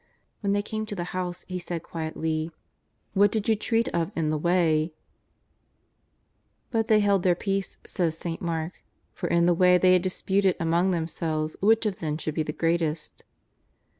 When they came to the house He said quietly: " What did you treat of in the way ?"" But they held their peace," says St. Mark, " for in the way they had disputed among themselves which of them should be the greatest."